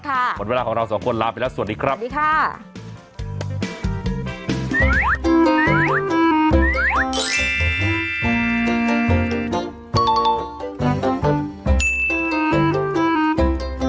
หมดเวลาของเราสองคนลาไปแล้วสวัสดีครับสวัสดีค่ะ